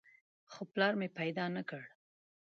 خو پلار مې پیدا نه کړ.